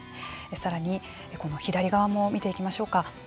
さらに、この左側も見ていきましょうか。